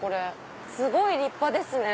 すごい立派ですね。